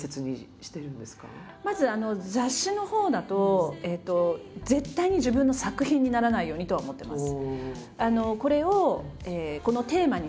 まず雑誌のほうだと絶対に自分の作品にならないようにとは思ってます。